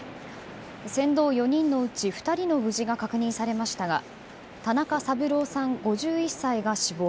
船頭４人のうち２人の無事が確認されましたが田中三郎さん、５１歳が死亡。